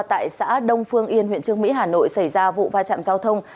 tại xã đông phương yên huyện trương mỹ hà nội xảy ra vụ va chạm giao thông